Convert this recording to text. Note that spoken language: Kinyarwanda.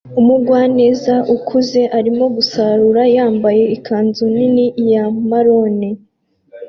Umugwaneza ukuze arimo gusarura yambaye ikanzu nini ya marone